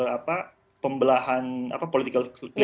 apa pembelahan apa political advantage